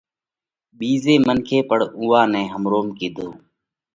ٻيزئہ منک پڻ اُوئا نئہ همروم ڪِيڌو۔